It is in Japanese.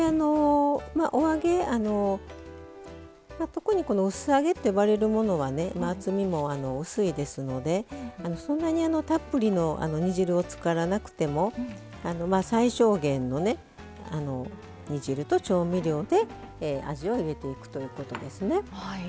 お揚げ、特にこのうす揚げって呼ばれるものは厚みも薄いですのでたっぷりの煮汁につからなくても最小限の煮汁と調味料で味を決めていくということですね。